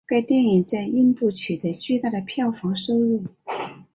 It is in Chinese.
该电影在印度取得巨大的票房收入。